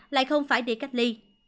lại không phải đi cách ly